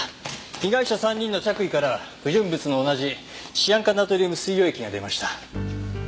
被害者３人の着衣から不純物の同じシアン化ナトリウム水溶液が出ました。